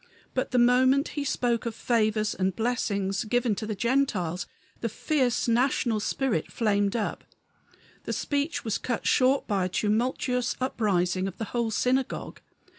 But the moment he spoke of favors and blessings given to the Gentiles the fierce national spirit flamed up; the speech was cut short by a tumultuous uprising of the whole synagogue.